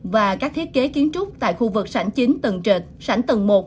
và các thiết kế kiến trúc tại khu vực sảnh chính tầng trệt sảnh tầng một